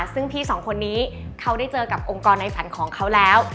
ซึ่งพี่สองคนนี้เขาได้เจอกับองค์กรในฝันของเขาแล้ว